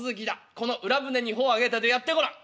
『この浦舟に帆を上げて』とやってごらん」。